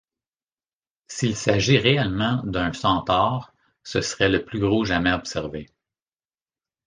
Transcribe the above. S'il s'agit réellement d'un centaure, ce serait le plus gros jamais observé.